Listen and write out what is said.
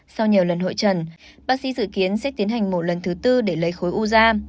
sau nhiều lần hội trần bác sĩ dự kiến sẽ tiến hành mổ lần thứ tư để lấy khối u da